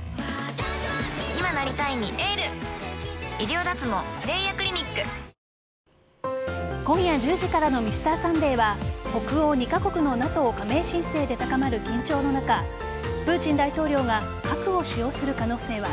庭園を運営する小田急電鉄は今夜１０時からの「Ｍｒ．サンデー」は北欧２カ国のＮＡＴＯ加盟申請で高まる緊張の中プーチン大統領が核を使用する可能性は？